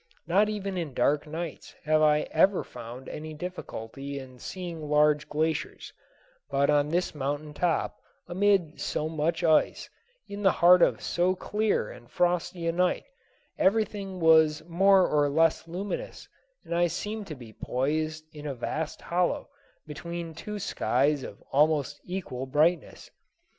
Not even in dark nights have I ever found any difficulty in seeing large glaciers; but on this mountain top, amid so much ice, in the heart of so clear and frosty a night, everything was more or less luminous, and I seemed to be poised in a vast hollow between two skies of almost equal brightness.